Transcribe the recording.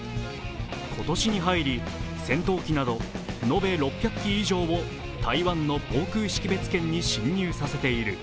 今年に入り戦闘機など、延べ６００機以上を台湾の防空識別圏に進入させている。